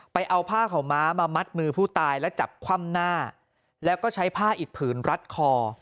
เอาผ้าขาวม้ามามัดมือผู้ตายและจับคว่ำหน้าแล้วก็ใช้ผ้าอิดผืนรัดคอ